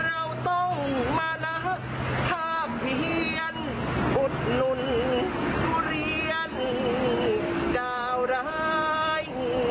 เราต้องมาละภาพเพียนอุดหนุนทุเรียนดาวร้าย